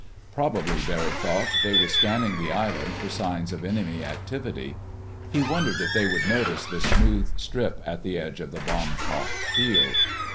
Probably, Barry thought, they were scanning the island for signs of enemy activity. He wondered if they would notice the smooth strip at the edge of the bomb pocked field.